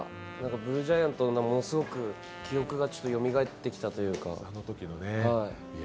「ＢＬＵＥＧＩＡＮＴ」のものすごく記憶がよみがえってきたというか。